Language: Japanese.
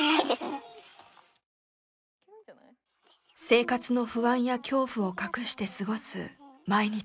生活の不安や恐怖を隠して過ごす毎日。